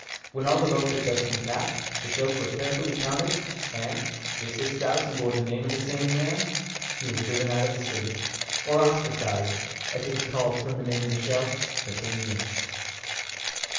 When all the votes had thus been cast, the shells were carefully counted, and, if six thousand bore the name of the same man, he was driven out of the city, or ostracized, as it was called from the name of the shell, for ten years.